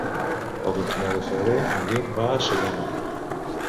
El vint-i-nou de febrer en Guim va a Sollana.